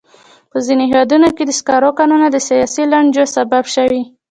په ځینو هېوادونو کې د سکرو کانونه د سیاسي لانجو سبب شوي.